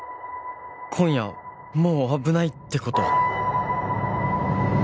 今夜もう危ないって事？